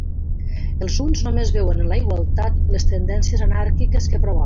Els uns només veuen en la igualtat les tendències anàrquiques que provoca.